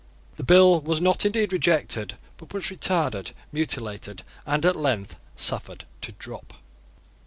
The bill was not indeed rejected, but was retarded, mutilated, and at length suffered to drop.